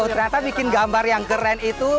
ternyata bikin gambar yang keren itu